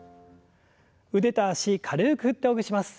腕と脚軽く振ってほぐします。